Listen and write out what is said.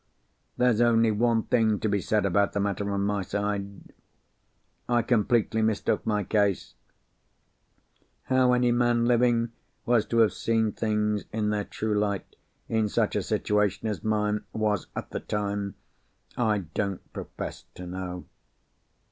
There's only one thing to be said about the matter on my side. I completely mistook my case. How any man living was to have seen things in their true light, in such a situation as mine was at the time, I don't profess to know.